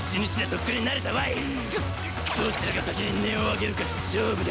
どちらが先に音を上げるか勝負だ！